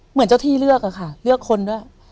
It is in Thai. เหมือนเจ้าที่เลือกอะค่ะเลือกคนด้วย